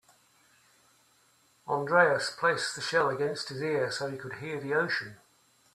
Andreas placed the shell against his ear so he could hear the ocean.